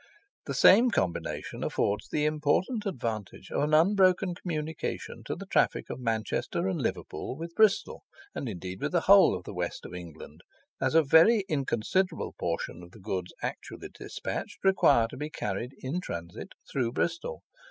The same combination affords the important advantage of an unbroken communication to the traffic of Manchester and Liverpool with Bristol, and indeed with the whole of the West of England, as a very inconsiderable proportion of the goods actually dispatched require to be carried in transit through Bristol.